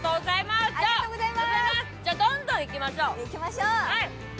じゃ、どんどんいきましょう。